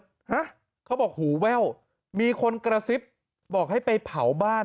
ฮะเขาบอกหูแว่วมีคนกระซิบบอกให้ไปเผาบ้าน